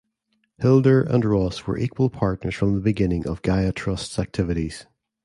Hildur and Ross were equal partners from the beginning of Gaia Trust’s activities.